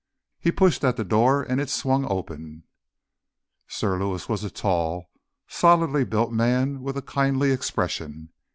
He pushed at the door, and it swung open. Sir Lewis was a tall, solidly built man with a kindly expression.